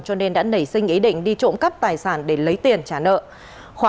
cho nên đã nảy sinh ý định đi trộm cắp tài sản để lấy tiền trả nợ